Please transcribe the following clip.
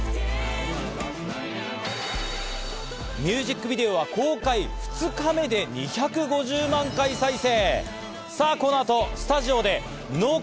ミュージックビデオは公開２日目で２５０万回再生。